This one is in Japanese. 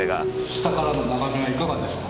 下からの眺めはいかがですか？